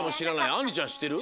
あんりちゃんしってる？